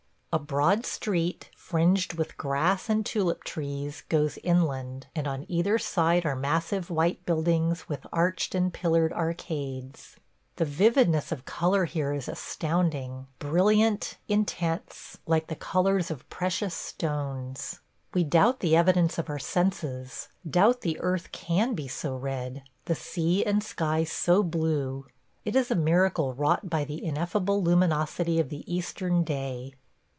A broad street, fringed with grass and tulip trees, goes inland, and on either side are massive white buildings with arched and pillared arcades. ... The vividness of color here is astounding – brilliant, intense, like the colors of precious stones. We doubt the evidence of our senses – doubt the earth can be so red, the sea and sky so blue. ... It is a miracle wrought by the ineffable luminosity of the Eastern day!